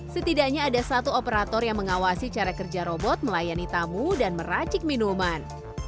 setidaknya ada satu operator yang mengawasi cara kerja robot melayani tamu dan meracik minuman